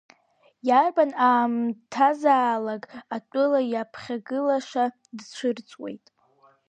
Иарбан аамҭазаалак атәыла иаԥхьагылаша дцәырҵуеит.